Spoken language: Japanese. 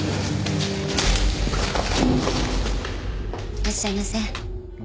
いらっしゃいませ。